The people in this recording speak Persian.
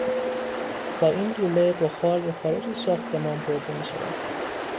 با این لوله بخار به خارج ساختمان برده میشود.